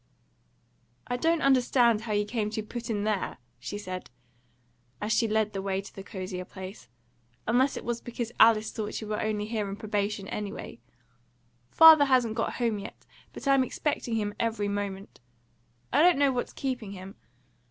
"I don't understand how you came to be put in there," she said, as she led the way to the cozier place, "unless it was because Alice thought you were only here on probation, anyway. Father hasn't got home yet, but I'm expecting him every moment; I don't know what's keeping him.